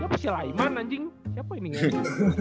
siapa si layman anjing siapa ini ngajak